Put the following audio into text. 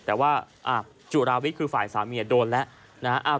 แต่ว่าจุราวิทย์คือฝ่ายสามีโดนแล้วนะฮะ